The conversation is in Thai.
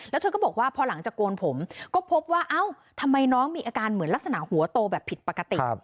แล้วเธอก็บอกว่าพอหลังจากโกนผมก็พบว่าเอ้าทำไมน้องมีอาการเหมือนลักษณะหัวโตแบบผิดปกติ